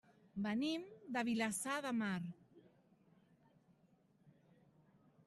Venim de Vilassar de Mar.